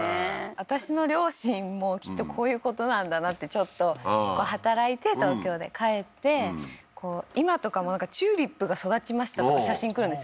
私の両親もきっとこういうことなんだなってちょっと働いて東京で帰って今とかもなんかチューリップが育ちましたとか写真来るんですよ